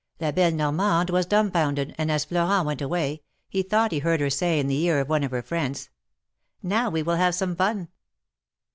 La belle Yormande was dumbfounded, and as Florent went away, he thought he heard her say in the ear of one of her friends : ^^Now we will have some fun!"